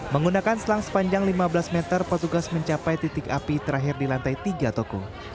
menggunakan selang sepanjang lima belas meter petugas mencapai titik api terakhir di lantai tiga toko